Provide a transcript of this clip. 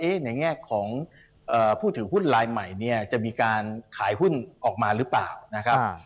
ในแง่ของผู้ถือหุ้นลายใหม่เนี่ยจะมีการขายหุ้นออกมาหรือเปล่านะครับ